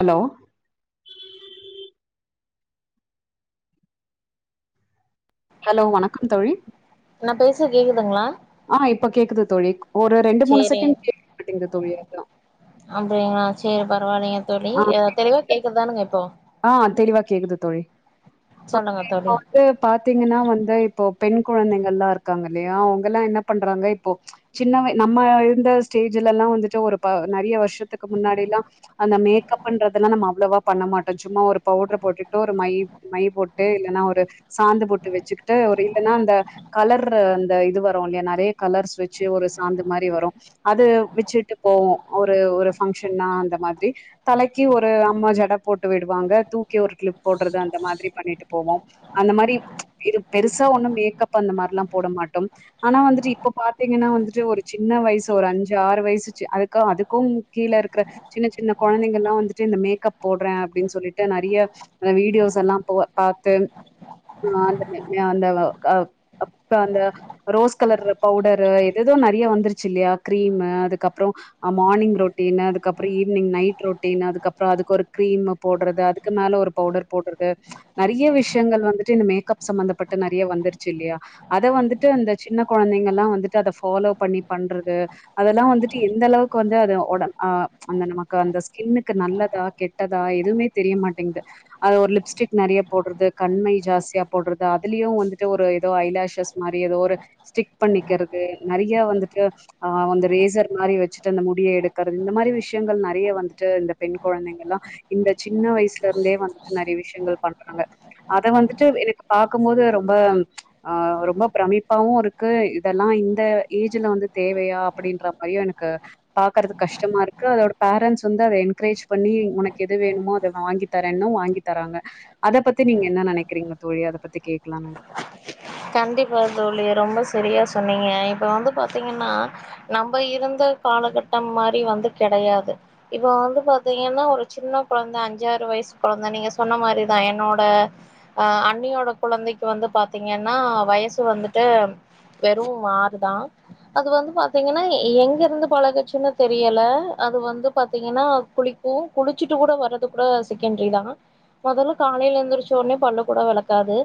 Hello hello வணக்கம் தோழி நான் பேசறது கேட்குதுங்களா ஆ இப்ப கேட்குது தோழி ஒரு ரெண்டு மூணு சேரி செகண்ட் கேக்க மாட்டேங்குது தோழி அதான் அப்டிங்களா சேரி பரவாயில்லைங்க தோழி ஆ தெளிவா கேட்குதானுங்க இப்போ ஆ தெளிவா கேட்குது தோழி ஆ சொல்லுங்க இப்போ தோழி இப்போ பார்த்தீங்கன்னா வந்து இப்போ பெண் குழந்தைகள்ல்லாம் இருக்காங்க இல்லையா அவங்கல்லாம் என்ன பண்றாங்க இப்போ சின்ன நம்ம இருந்த ஸ்டேஜ்லல்லாம் வந்துட்டு ஒரு நறைய வருஷத்துக்கு முன்னாடி எல்லாம் அந்த மேக்கப்ன்றதுல்லாம் நம்ம அவ்ளோவா பண்ண மாட் டோம் சும்மா ஒரு பவுடர் போட்டுட்டு ஒரு மை மை போட்டு இல்லன்னா ஒரு சாந்து பொட்டு வச்சுக்கிட்டு ஒரு இல்லன்னா அந்த கலரு அந்த இது வரு இல்லையா நெறைய கலர்ஸ் வச்சு ஒரு சாந்து மாரி வரு அது வச்சுட்டு போவோ ஒரு ஒரு பஃங்க்ஷன்னா அந்த மாதிரி தலைக்கு ஒரு அம்மா ஜடை போட்டு விடுவாங்க தூக்கி ஒரு க்ளிப் போட்றது அந்த மாதிரி பண்ணிட்டு போவோம் அந்த மாரி இது பெருசா ஒன்னும் மேக்கப்பு அந்த மாரிலா போட மாட்டோம் ஆனா வந்துட்டு இப்ப பாத்தீங்கன்னா வந்துட்டு ஒரு சின்ன வயசு ஒரு அஞ்சு ஆறு வயசு சி அதுக்கு அதுக்கும் கீழே இருக்ற சின்ன சின்ன கொழந்தைங்கள்லா வந்துட்டு இந்த மேக்கப் போட்றே அப்டின் சொல்லிட்டு நிறைய அ வீடியோஸ் எல்லாம் போ பாத்து நா அந்தனே நா அந்த வ க அப்ப அந்த ரோஸ் கலர் பவுடரு எது எதோ நெறையா வந்துருச்சு இல்யா கிரீமு அதுக்கு அப்றோ அ மார்னிங் ரொட்டீனு அதுக்கு அப்றோ ஈவினிங் நைட் ரொட்டீனு அதுக்கு அப்றோ அதுக்கு ஒரு கிரீமு போட்றது அதுக்கு மேல ஒரு பவுடர் போட்றது நெறைய விஷயங்கள் வந்துட்டு இந்த மேக்கப் சம்மந்தப்பட்டு நெறைய வந்துருச்சு இல்யா அத வந்துட்டு அந்த சின்ன கொழந்தைங்கல்லா வந்துட்டு அத ஃபாலோ பண்ணி பண்றது அதெல்லா வந்துட்டு எந்த அளவுக்கு வந்து அது உட அ அந்த நமக்கு அந்த ஸ்கின்னுக்கு நல்லதா கெட்டதா எதுவுமே தெரிய மாட்டேங்கிது அது ஒரு லிப்ஸ்டிக் நெறைய போட்றது கண்மை ஜாஸ்தியா போட்றது அதுலயு வந்துட்டு ஒரு ஏதோ ஐ லாஷஸ் மாரி ஏதோ ஒரு ஸ்டிக் பண்ணிக்கிறது நெறைய வந்துட்டு ஆ அந்த ரேசர் மாரி வச்சிட்டு அந்த முடியை எடுக்கிறது இந்த மாதிரி விஷயங்கள் நெறைய வந்துட்டு இந்த பெண் கொழந்தைங்கல்லா இந்த சின்ன வயசுலருந்தே வந்துட்டு நெறைய விஷயங்கள் பண்றாங்க அத வந்துட்டு எனக்கு பாக்கும்போது ரொம்ப ஆ ரொம்ப பிரமிப்பாவு இருக்கு இதெல்லா இந்த ஏஜ்ல வந்து தேவையா அப்படின்ற மா ஐயோ எனக்கு பாக்குறது கஷ்டமா இருக்கு அதோட பேரண்ஸ் வந்து அதை என்கரேஜ் பண்ணி உனக் எது வேணுமோ அத வாங்கி தரேன்னு வாங்கி தராங்க அத பத்தி நீங்க என்ன நெனைக்கிறீங்க தோழி அத பத்தி கேக்கலானு கண்டிப்பா தோழி ரொம்ப சரியா சொன்னீங்க இப்ப வந்து பாத்தீங்கன்னா நம்ப இருந்த காலகட்டம் மாரி வந்து கெடையாது இப்ப வந்து பாத்தீங்கன்னா ஒரு சின்ன கொழந்த அஞ்சாறு வயசு கொழந்த நீங்க சொன்ன மாரிதா என்னோட ஆ அண்ணியோட கொழந்தைக்கு வந்து பாத்தீங்கன்னா வயசு வந்துட்டு வெறு ஆறு தா அது வந்து பாத்தீங்கன்னா எங்க இருந்து பழகிச்சுன்னு தெரியல அது வந்து பாத்தீங்கன்னா குளிக் கு குளிச்சுட்டு கூட வரது கூட செகண்ட்ரி தா மொதல்ல காலையில எந்திரிச்ச ஒனே பல்லு கூட வெளக்காது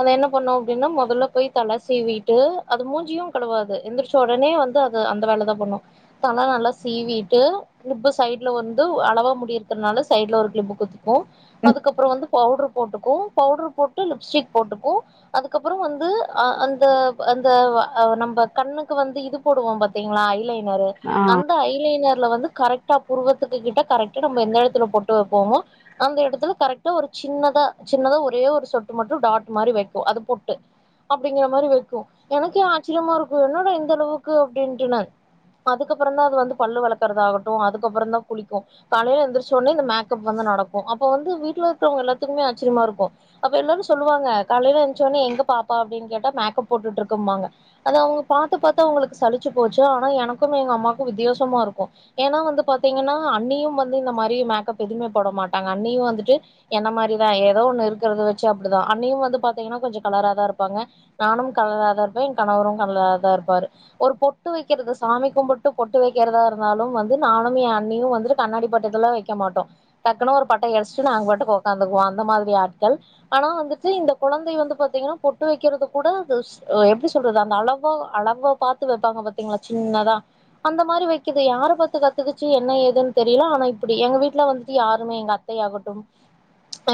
அது என்ன பண்ணு அப்டின்னா மொதல்ல போய் தல சீவிட்டு அது மூஞ்சியு கழுவாது எந்திரிச்ச உடனே வந்து அ து அந்த வேல தா பண்ணு தல நல்லா சீவிட்டு கிளிப்பு சைட்ல வந்து அளவா முடி இருக்குறனால சைட்ல ஒரு கிளிப்பு குத்திக்கு அதுக்கப்புறோ வந்து பவுட்ரு போட்டுக்கு பவுட்ரு போட்டு லிப்ஸ்டிக் போட்டுக்கு அதுக்கப்புறோ வந்து அ அந்த அந்த அ நம்ப கண்ணுக்கு வந்து இது போடுவோ பாத்தீங்ளா ஐ லைனரு ஆ அந் த ஐ லைனர்ல வந்து கரெக்டா புருவத்துக்கு கிட்ட கரெக்டா நம்ம எந்த எடத்துல பொட்டு வப்போமோ அந்த எடத்துல கரெக்டா ஒரு சின்னதா சின்னதா ஒரே ஒரு சொட்டு மட்டு டாட் மாரி வைக்கு அது பொட்டு அப்டிங்கிற மாரி வைக்கு எனக்கே ஆச்சரியமா இருக்கு என்னடா இந்த அளவுக்கு அப்டின்ட்டு நான் அதுக்கப்புறந்தா அது வந்து பல்லு வெளக்குறதாகட்டு அதுக்கப்புறந்தா குளிக்கு காலைய எந்திரிச்சோனே இந்த மேக்கப் வந்து நடக் கு அப்ப வந்து வீட்ல இருக்கவங்க எல்லாத்துக்குமே ஆச்சரியமா இருக்கு அப்ப எல்லாரு சொல்லுவாங்க காலைல எந் ன்னே எங்க பாப்பா அப்டின் கேட்டா மேக்கப் போட்டுட்ருக்கும்பாங்க அது அவங்க பாத்து பாத்து அவுங்களுக்கு சலிச்சு போச்சு ஆனா எனக்கும் எங்க அம்மாக்கு வித்தியாசமா இருக்கு ஏனா வந்து பாத்தீங்கன்னா அண்ணியும் வந்து இந்த மாரி மேக்கப் எதுவ்மே போட மாட் டாங்க அண்ணியு வந்துட்டு என்ன மாரி தா எதோ ஒன்னு இருக்கறத வெச்சு அப்பிடிதா அண்ணியு வந்து பாத் தீங்கனா கொஞ்சோ கலராதா இருப்பாங்க நானும் கலராத இருப்பே எ கணவரு கலராதா இருப்பாரு ஒரு பொட்டு வெக்கறது சாமி கும்பிட்டு பொட்டு வெக்கறதா இருந்தாலும் வந்து நானும் என் அண்ணியு வந்துட்டு கண்ணாடி பாட்டுத்துல்லா வெக் க மாட்டோ டக்குனு ஒரு பட்டயடிஸ்ட்டு நாங்க பாட்டுக் ஒக்காந்துக்குவோ அந்த மாதிரி ஆட்கள் ஆனா வந்துட்டு இந்த குழந்தை வந்து பாத்தீங்கனா பொட்டு வெக்கறதுக் கூட அது அ எப்டி சொல்றது அந்த அளவா அளவா பாத்து வெப்பாங்க பாத்தீங்களா சின்னதா அந்த மாரி வெக்கிது யார பாத்து கத்துக்கிச்சு என்ன ஏதுன் தெரியில ஆனா இப்பிடி எங்க வீட்ல வந்துட்டு யாருமே எங்க அத் தை ஆகட்டும்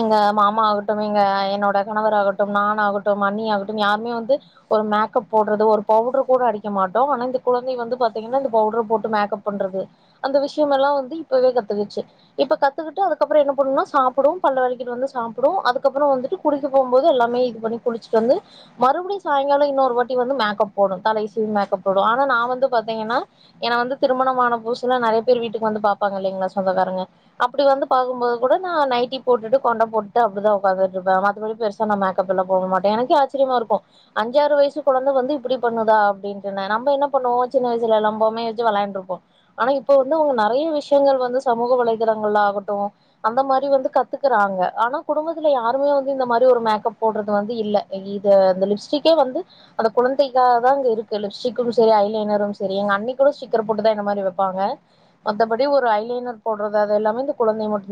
எங்க மாமா ஆகட்டும் எங் க என்னோட கணவர் ஆகட்டும் நான் ஆகட்டும் அண்ணி ஆகட்டும் யாருமே வந்து ஒரு மேக்கப் போட்றது ஒரு பவுட்ரு கூட அடிக்க மாட்டோ ஆனா இந்த குழந்தை வந்து பாத்தீங்கனா இந்த பவுட்ரு போட்டு மேக்கப் பண்றது அந்த விஷ்யம் எல்லா வந்து இப்பவே கத்துக்கிச்சு இப்ப கத்துக்கிட்டு அதுக்கப்றோ என்ன பண்ணுனா சாப்புடும் பல்ல வெலக்கிட்டு வந்து சாப்புடு அதுக்கப்றோ வந்துட்டு குளிக்க போம்போது எல்லாமே இது பண்ணி குளிச்சிட் வந்து மறுபடியு சாய்ங்காலோ இன்னோரு வாட்டி வந்து மேக்கப் போடு தலையசீவி மேக்கப் போடு ஆனா நா வந்து பாத்தீங்கன்னா என்ன வந்து திருமணமான புதுசுல நெறைய பேர் வீட்டுக் வந்து பாப்பாங்க இல்லைங்ளா சொந்தக்காரங்க அப்பிடி வந்து பாக்கும்போது கூட நா நைட்டி போட்டுட்டு கொண்ட போட்டு அப்பிடிதா ஒக்காந்துட்ருப்பே மத் தபடி பெருசா நா மேக்கப்ல போக மாட்டே எனக்கே ஆச்சரியமா இருக்கு அஞ்சாறு வய்சு குழந்த வந்து இப்பிடி பண்ணுதா அப்டின்ட்டு ந நம்ப என்ன பண்ணுவோ சின்ன வய்சுல எல்லா பொம்மைய வெச்சு வெளாண்ட்ருப்போ ஆனா இப்ப வந்து அவுங்க நெறைய விஷ்யங்கள் வந்து சமூக வலைதளங்கள் ஆகட்டு அந்த மாரி வந்து கத்துக்கறாங்க ஆனா குடும்பத்துல யாருமே வந் து இந்த மாரி ஒரு மேக்கப் போட்றது வந்து இல்ல இது இந்த லிப்ஸ்ட்டிக்கே வந்து அந்த குழந்தைக்காக தா அங்க இருக்கு லிப்ஸ்டிக்கும் செரி ஐ லைனரும் செரி எங்க அண்ணி கூட ஸ்டிக்கர் பொட்டுதா என்ன மாரி வெப்பாங்க மத்தபடி ஒரு ஐ லைனர் போட்றது அது எல்லாமே இந்த குழந்தை மட்டு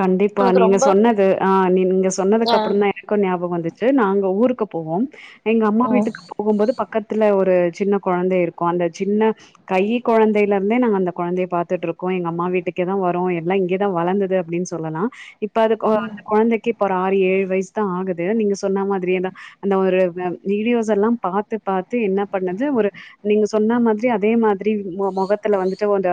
கண்டிப்பா நீங்க சொன்னது ஆ நீங்க அ சொன்னதுக்கப்பறந்தா எனக்கு ஞாபகோ வந்துச்சு நாங்க ஊருக்கு போவோ எங்க அம்மா ம் வீட்டுக்கு போகும்போது பக்கத்துல ஒரு சின்ன கொழந்தை இருக்கு அந்த சின்ன கை கொழந்தைலர்ந்தே நாங்க அந்த கொழந்தைய பாத்துட்ருக்கோ எங்க அம்மா வீட்டுக்கே தா வரு எல்லா இங்யே தா வளந்தது அப்டின் சொல்லலா இப்ப அது அ ம் அந்த கொழந்தைக்கு இப்ப ஒரு ஆறு ஏழு வய்ஸ் தா ஆகுது நீங்க சொன்ன மாதிரியே தா அந்த ஒரு அ வீடியோஸ் எல்லா பாத்து பாத்து என்ன பண்ணுது ஒரு நீங்க சொன்ன மாதிரி அதே மாதிரி ம் மொ மொகத்துல வந்துட்டு ஒ அந்த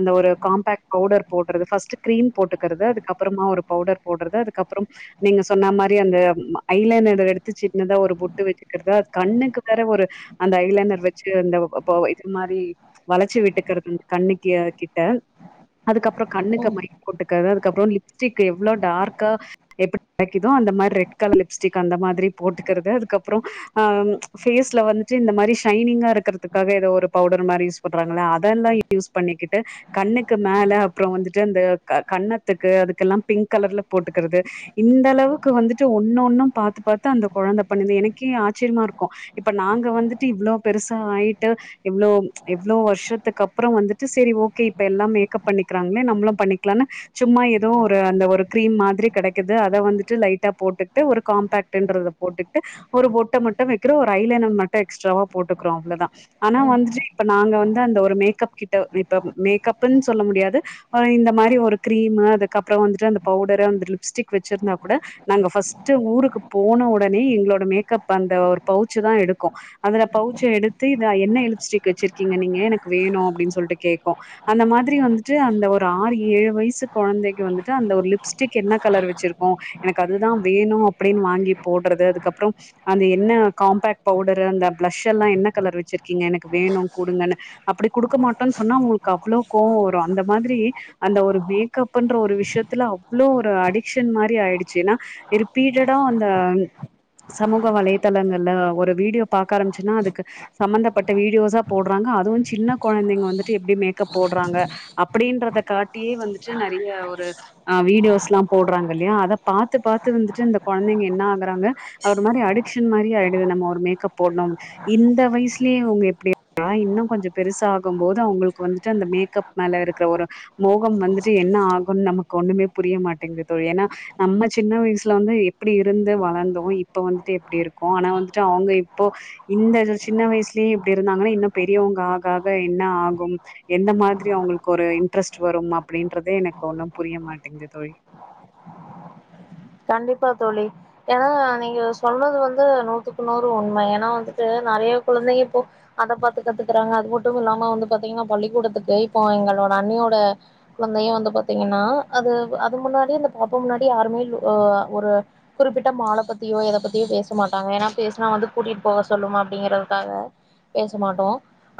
அந்த ஒரு காம்பேக்ட் பவுடர் போட்றது ஃபஸ்ட்டு க்ரீம் போட்டுக்கறது அதுக்கப்பறமா ஒரு பவுடர் போட்றது அதுக்கப்றம் நீங்க சொன்ன மாரி அந்த ம் ஐ லைனர் எடுத்து சின்னதா ஒரு பொட்டு வெச்சிக்கிறது அது கண்ணுக்கு வேற ஒரு அந்த ஐ லைனர் வெச்சு இந்த ப் பொ இது மாரி வளச்சு விட்டுக்கறது இந்த கண்ணுக்கு கிட்ட அதுக்கப்றோ கண்ணுக்கு ம் மை போட்டுக்கறது அதுக்கப்றோ லிப்ஸ்டிக்கு எவ்ளோ டார்க்கா எப்டி கெடைக்குதோ அந்த மார் ரெட் கலர் லிப்ஸ்டிக் அந்த மாதிரி போட்டுக்கறது அதுக்கப்றோ அ ஃபேஸ்ல வந்துட்டு இந்த மாரி ஷைனிங்கா இருக்கறத்துக்காக எதோ ஒரு பவுடர் மாரி யூஸ் பண்றாங்ளே அதெல்லா யூஸ் பண்ணிக்கிட்டு கண்ணுக்கு மேல அப்றோ வந்துட்டு அந்த க கன்னத்துக்கு அதுக்கெல்லா பிங்க் கலர்ல போட்டுக்கறது இந்தளவுக்கு வந்துட்டு ஒன்னொன்னு பாத்து பாத்து அந்த கொழந்த பண்ணுது எனக்கே ஆச்சரியமா இருக்கு இப்ப நாங்க வந்துட்டு இவ்ளோ பெருசா ஆய்ட்டு இவ்ளோ இவ்ளோ வருஷத்துக்கு அப்புற வந்துட்டு சேரி ஓகே இப்ப எல்லா மேக்கப் பண்ணிக்கிறாங்களே நம்மளு பண்ணி க்கலானு சும்மா எதோ ஒரு அந்த ஒரு கிரீம் மாதிரி கிடைக்குது அத வந்துட்டு லைட்டா போட்டுட்டு ஒரு காம்பாக்ட்ன்றது போட்டுகிட்டு ஒரு பொட்ட மட்டு வைக்கிறோ ஒரு ஐலைனர் மட்டு எக்ஸ்ட்ராவா போட்டுக்கிறோ அவ்ளதா ஆனா வந்துட்டு இப்ப நாங்க வந்து அந்த ஒரு மேக்கப் கிட்ட இப்ப மேக்கப்புன்னு சொல்ல முடியாது அ இந்த மாரி ஒரு கிரீமு அதுக்கப்புற வந்துட்டு அந்த பவுடர அந்த லிப்ஸ்டிக் வச்சிருந்தா கூட நாங்க ஃபர்ஸ்ட்டு ஊருக்கு போன உடனே எங்களோட மேக்கப் அந்த ஒரு பவுச்சு தா எடுக்கு அதுல பவுச்ச எடுத்து இத என்ன லிப்ஸ்டிக் வச்சிருக்கீங்க நீங்க எனக்கு வேணு அப்டின்னு சொல்லிட்டு கேக்கு அந்த மாதிரி வந்துட்டு அந்த ஒரு ஆறு ஏழு வயசு குழந்தைக்கு வந்துட்டு அந்த ஒரு லிப்ஸ்டிக் என்ன கலர் வெச்சிருக்கோ எனக்கு அதுதா வேணு அப்டின்னு வாங்கி போடுறது அதுக்கப்றோ அந்த என்ன காம்பாக்ட் பவுடரு அந்த பிளஷ் எல்லா என்ன கலர் வெச்சிருக்கீங்க எனக்கு வேணு குடுங்கன்னு அப்படி குடுக்க மாட்டோன்னு சொன்னா அவுங்களுக்கு அவ்வளோ கோவ வரு அந்த மாதிரி அந்த ஒரு மேக்கப்ன்ற ஒரு விஷயத்துல அவ்ளோ ஒரு அடிக்ஷன் மாரி ஆயிடுச்சு ஏன்னா ரிப்பீட்டடா அந்த சமூக வலைதளங்கள்ல ஒரு வீடியோ பாக்க ஆரம்பிச்சுன்னா அதுக்கு சம்பந்தப்பட்ட வீடியோஸா போடுறாங்க அதுவு சின்ன குழந்தைங்க வந்துட்டு எப்டி மேக்கப் போடுறாங்க அப்டின்றத காட்டியே வந்துட்டு நெறைய ஒரு அ வீடியோஸ்லா போடுறாங்கல்லையா அத பாத்து பாத்து வந்துட்டு இந்த குழந்தைங்க என்ன ஆகுறாங்க ஒரு மாரி அடிக்ஷன் மாரியே ஆயிடுது நம்ம ஒரு மேக்கப் போட்ணு இந்த வயசுலே அவுங்க எப்டினா இன்னு கொஞ்சம் பெருசா ஆகும் போது அவுங்களுக்கு வந்துட்டு அந்த மேக்கப் மேல இருக்கிற ஒரு மோகம் வந்துட்டு என்ன ஆகும்னு நமக்கு ஒண்ணுமே புரிய மாட்டேங்குது தோழி ஏனா நம்ம சின்ன வயசுல வந்து எப்டி இருந்து வளந்தோ இப்ப வந்துட்டு எப்டி இருக்கோ ஆனா வந்துட்டு அவுங்க இப்போ இந்த சின்ன வயசுலே இப்டி இருந்தாங்கன்னா இன்னும் பெரியவங்க ஆக ஆக என்ன ஆகும் எந்த மாரி அவுங்களுக்கு ஒரு இன்ட்ரெஸ்ட் வரும் அப்டின்றதே எனக்கு ஒன்னும் புரிய மாட்டிங்குது தோழி கண்டிப்பா தோழி ஏனா நீங்க சொல்றது வந்து நூத்துக்கு நூறு உண்ம ஏனா வந்துட்டு நெறைய குழந்தைங்க இப்போ அத பாத்து கத்துக்குறாங்க அது மட்டும் இல்லாம வந்து பாத்தீங்கன்னா பள்ளிக்கூடத்துக்கு இப்போ எங்களோட அண்ணியோட குழந்தைய வந்து பாத்தீங்கன்னா அது அது முன்னாடி அந்த பாப்பா முன்னாடி யாருமே அ ஒரு குறிப்பிட்ட மால பத்தியோ எத பத்தியோ பேச மாட்டாங்க ஏனா பேசுனா வந்து கூட்டிட்டு போக சொல்லும் அப்டிங்கிறதுக்காக பேச மாட்டோ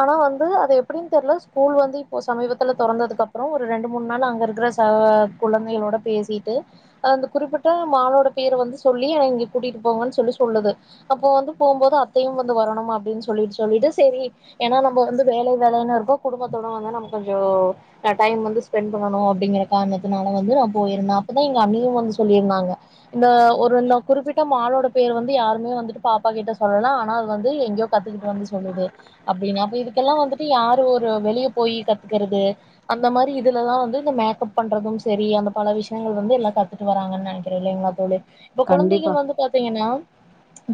ஆனா வந்து அது எப்டின்னு தெர்ல ஸ்கூல் வந்து இப்ப சமீபத்துல தொறந்ததுக்கு அப்றோ ஒரு ரெண்டு மூணு நாள் அங்க இருக்கிற அ குழந்தைகளோட பேசிட்டு அ அந்த குறிப்பிட்ட மாலோட பேர வந்து சொல்லி இங்க கூட்டிட்டு போங்கன்னு சொல்லி சொல்லுது அப்போ வந்து போம்போது அத்தையும் வந்து வரணும் அப்டின்னு சொல்லிட்டு சொல்லிட்டு செரி ஏனா நம்ம வந்து வேல வேலைனு இருப்போ குடும்பத்தோட வந்து நம்ம கொஞ்சோ அ டைம் வந்து ஸ்பெண்ட் பண்ணனு அப்டிங்கற காரணத்தினால வந்து நா போயிருந்த அப்பதா எங்க அண்ணியு வந்து சொல்லிருந்தாங்க இந்த ஒரு நா குறிப்பிட்ட மாலோட பேரு வந்து யாருமே வந்துட்டு பாப்பா கிட்ட சொல்லல ஆனா அது வந்து எங்கேயோ கத்துக்கிட்டு வந்து சொல்லுது அப்டின்னா அப்ப இதுக்கெல்லா வந்துட்டு யாரு ஒரு வெளிய போய் கத்துக்கிறது அந்த மாரி இதுலதா வந்து இந்த மேக்கப் பண்றதும் செரி அந்த பல விஷயங்கள் வந்து எல்லா கத்து கிட்டு வராங்கன்னு நெனைக்கிறே இல்லைங்களா தோழி இப்ப கண்டிப்பா குழந்தைகள் வந்து பாத்தீங்கனா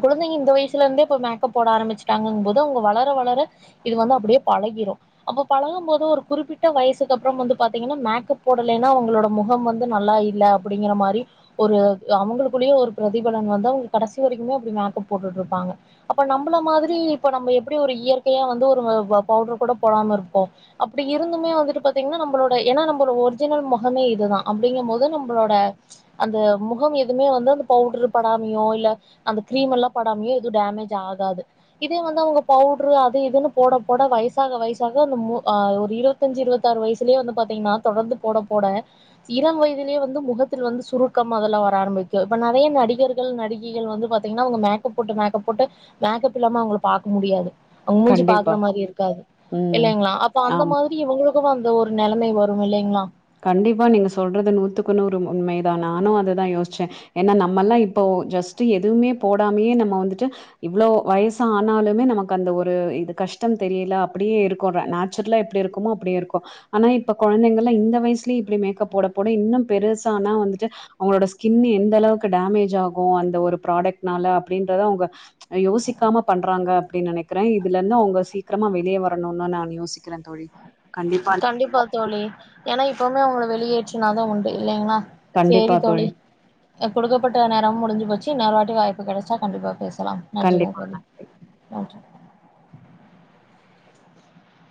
குழந்தைங்க இந்த வயசுல இருந்தே இப்ப மேக்கப் போட ஆரம்பிச்சட்டாங்கும் போது அவுங்க வளர வளர இது வந்து அப்டியே பழகிரு அப்ப பழகும் போது ஒரு குறிப்பிட்ட வயசுக்கு அப்றம் வந்து பாத்தீங்கன்னா மேக்கப் போடலைன்னா அவுங்களோட முகம் வந்து நல்லா இல்ல அப்டிங்கிற மாரி ஒரு அவுங்களுக்குள்ளய ஒரு பிரதிபலன் வந்து அவுங்க கடைசி வரைக்குமே அப்டி மேக்கப் போட்டுட்ருக்காங்க அப்ப நம்மள மாரி இப்ப நம்ம எப்டி ஒரு இயற்கையா வந்து ஒரு பவ் பவுடர் கூட போடாம இருப்போ அப்டி இருந்துமே வந்துட்டு பாத்தீங்கனா நம்பளோட ஏனா நம்பளோ ஒரிஜினல் மொகமே இதுதா அப்டிங்கம் போது நம் மளோட அந்த முகம் எதுவுமே வந்து அந்த பவுட்ரு படாமையோ இல்ல அந்த கிரீம் எல்லா படாமியோ எது டேமேஜ் ஆகாது இதே வந்து அவுங்க பவுட்ரு அது இதுன்னு போட போட வயசாக வயசாக அந்த மு அ ஒரு இருவ த்தஞ்சு இருபத்தாறு வயசுலய வந்து பாத்தீங்கன்னா தொடர்ந்து போட போட இளம் வயதிலேயே வ ந்து முகத்தில் வந்து சுருக்கம் அதல்லா வர ஆரம்பிக்கு இப்ப நெறைய நடிகர்கள் நடிகைகள் வந்து பாத்தீங்கன்னா அவுங்க மேக் கப் போட்டு மேக்கப் போட்டு மேக்கப் இல்லாம அவுங்கள பாக்க முடியாது அவுங்க மூஞ்சிய கண்டிப்பா பாக்குற மாரி இருக்காது ம் இல்லைங்ளா அப்ப அந்த ஆமா மாரி இவுங்களுக்கு அந்த ஒரு நெலமை வரும் இல்லைங்ளா கண்டிப்பா நீங்க சொல்றது நூத்துக்குன்னூறு உண்மைதா நானு அதுதா யோசிச்சே ஏனா நம்மல்லா இப்போ ஜஸ்ட் எதுவுமே போடாமயே நம்ம வந்துட்டு இவ்ளோ வயசா ஆனாலுமே நமக்கு அந்த ஒரு இது கஷ்டம் தெரில அப்டியே இருக்குற நா ச்சுருலா எப்டி இருக்குமோ அப்டி இருக்கோ ஆனா இப்ப கொழந்தைங்கல்லா இந்த வயசுல இப்டி மேக்கப் போடபோட இன்னு பெருசானா வந்துட்டு அவுங்களோட ஸ்கின் எந்தளவுக்கு டேமேஜ் ஆகு அந்த ஒரு ப்ராடக்ட்னால அப்டின்றத அவுங்க யோசிக்காம பண்றாங்க அப்டின் நெனைக்கிறே இதுலருந்து அவுங்க சீக்கிரமா வெளிய வரணுன்தா நா யோசிக் கண்டிப்பா தோழி ஏனா இப்பவுமே அவுங்கள வெளியேற்றினாதா உண்டு இல்லைங்களா சேரி தோழி அ கொடுக்கப்பட்ட நேரமு முடிஞ்சி போச்சு இன்னொரு வாட்டி வாய்ப்பு கடச்சா கண்டிப்பா பேசலாம் கண்டிப்பா. நன்றிங்க தோழி நன்றி